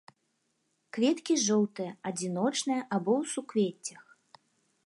Кветкі жоўтыя, адзіночныя або ў суквеццях.